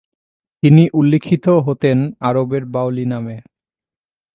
তিনি উল্লিখিত হতেন আরবের বডলি নামে।